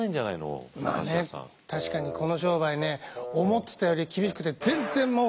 確かにこの商売ね思ってたより厳しくてでしょう。